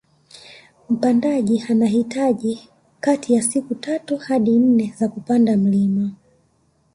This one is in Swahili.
Mpandaji anahitaji kati ya siku tatu hadi nne za kupanda mlima